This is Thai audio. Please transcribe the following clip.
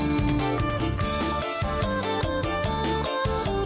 นี่ฮ่า